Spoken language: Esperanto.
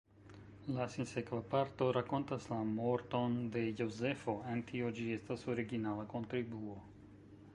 La sinsekva parto rakontas la morton de Jozefo: en tio ĝi estas originala kontribuo.